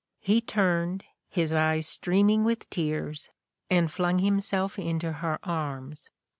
He turned, his eyes streaming with tears, and flung him self into her arms.